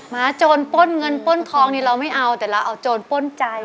หมาโจรป้นเงินป้นทองนี่เราไม่เอาแต่เราเอาโจรป้นใจ